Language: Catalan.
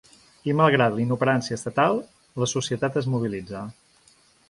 I malgrat la inoperància estatal, la societat es mobilitza.